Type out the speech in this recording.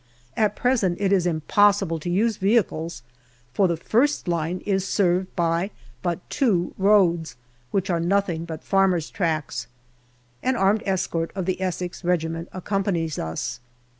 At present it is impossible to use vehicles, for the first line is served by but two roads, which are nothing but farmers' tracks. An armed escort of the Essex Regiment accompanies us.